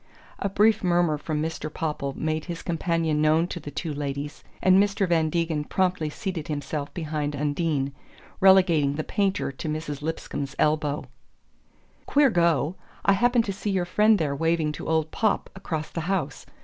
A brief murmur from Mr. Popple made his companion known to the two ladies, and Mr. Van Degen promptly seated himself behind Undine, relegating the painter to Mrs. Lipscomb's elbow. "Queer go I happened to see your friend there waving to old Popp across the house.